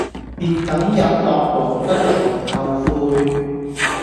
別等日落黃昏才後悔